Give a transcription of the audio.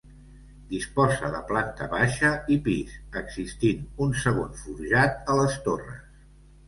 Disposa de planta baixa i pis, existint un segon forjat a les torres.